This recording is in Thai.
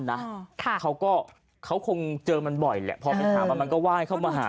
น่ะค่ะเขาก็เขาคงเจอมันบ่อยแหละพอเป็นถามว่ามันก็ว่าให้เขามาหา